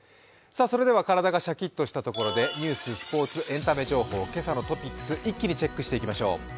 それでは体がシャキッとしたところでニュース、エンタメ情報、今朝のトピックス、一気にチェックしていきましょう。